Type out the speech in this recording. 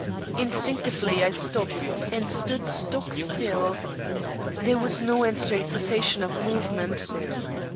Instinctively I stopped and stood stock still. There was no answering cessation of movement.